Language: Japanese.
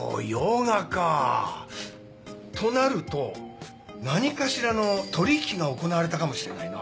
となると何かしらの取引が行われたかもしれないな。